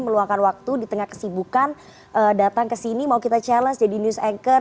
meluangkan waktu di tengah kesibukan datang ke sini mau kita challenge jadi news anchor